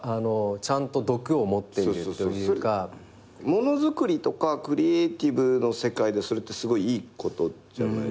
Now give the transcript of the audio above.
もの作りとかクリエーティブの世界でそれってすごいいいことじゃないですか。